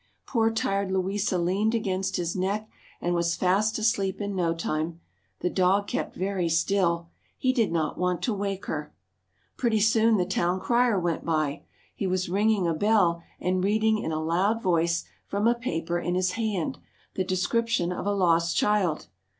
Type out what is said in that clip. Poor tired Louisa leaned against his neck and was fast asleep in no time. The dog kept very still. He did not want to wake her. Pretty soon the town crier went by. He was ringing a bell and reading in a loud voice, from a paper in his hand, the description of a lost child.